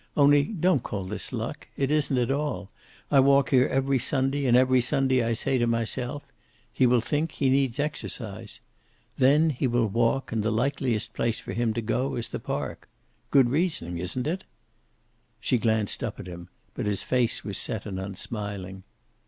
Only don't call this luck. It isn't at all. I walk here every Sunday, and every Sunday I say to myself he will think he needs exercise. Then he will walk, and the likeliest place for him to go is the park. Good reasoning, isn't it?" She glanced up at him, but his face was set and unsmiling.